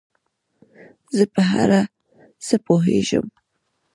زۀ په هر څه پوهېږم